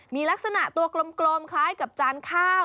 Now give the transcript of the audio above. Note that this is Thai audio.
มีลักษณะตัวกลมคล้ายกับจานข้าว